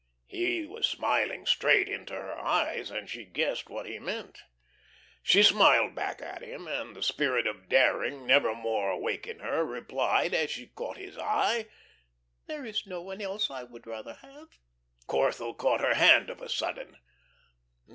He was smiling straight into her eyes, and she guessed what he meant. She smiled back at him, and the spirit of daring never more awake in her, replied, as she caught his eye: "There is no one else I would rather have." Corthell caught her hand of a sudden.